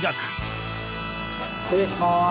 失礼します。